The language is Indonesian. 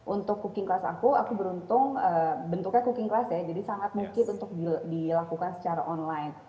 untuk cooking class aku aku beruntung bentuknya cooking class ya jadi sangat mungkin untuk dilakukan secara online